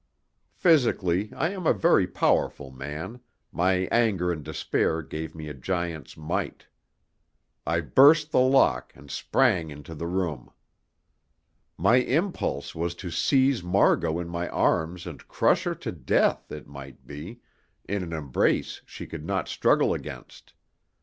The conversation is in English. Physically I am a very powerful man my anger and despair gave me a giant's might. I burst the lock, and sprang into the room. My impulse was to seize Margot in my arms and crush her to death, it might be, in an embrace she could not struggle against.